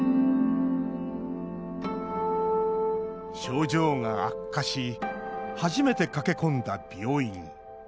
症状が悪化し初めて駆け込んだ病院。